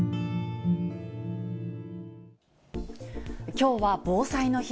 きょうは防災の日。